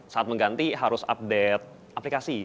saat mengganti harus update aplikasi